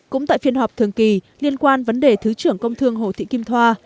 cũng tại phiên họp thường kỳ liên quan vấn đề thứ trưởng công thương hồ thị kim thoa